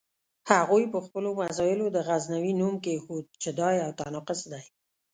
هغوی په خپلو مزایلو د غزنوي نوم کېښود چې دا یو تناقض دی.